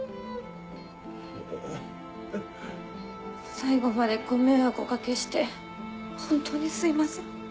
最後までご迷惑をお掛けして本当にすいません。